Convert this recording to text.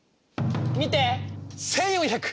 見て！